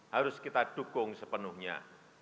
harus kita dukung sepenuhnya